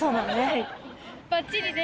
はい。